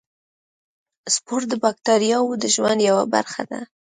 سپور د باکتریاوو د ژوند یوه برخه ده.